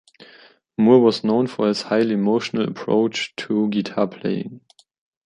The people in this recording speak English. Moore was known for his highly emotional approach to guitar playing.